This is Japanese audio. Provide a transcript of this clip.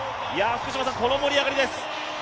この盛り上がりです。